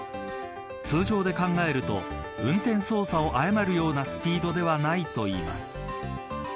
通常で考えると運転操作を誤るようなスピードではないといいます。